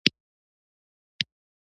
د لیکوال نوم باید په متن کې نه وي.